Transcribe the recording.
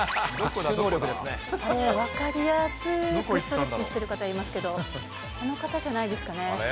分かりやすくストレッチしてる方いますけど、あの方じゃないですかね。